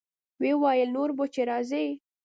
ويې ويل نور به چې راځې.